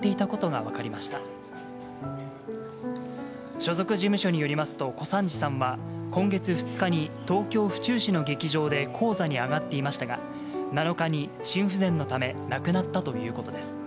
所属事務所によりますと、小三治さんは、今月２日に東京・府中市の劇場で高座に上がっていましたが、７日に心不全のため、亡くなったということです。